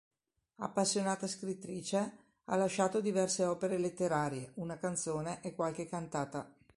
Appassionata scrittrice, ha lasciato diverse opere letterarie, una canzone e qualche cantata.